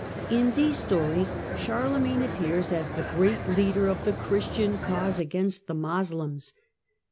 In these stories Charlemagne appears as the great leader of the Christian cause against the Moslems.